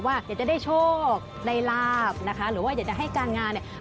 อยากจะได้โชคได้ลาบนะคะหรือว่าอยากจะให้การงานเนี่ย